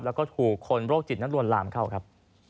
แล้วก็ถูกคนโรคจิตนั้นลวนลามเข้าครับ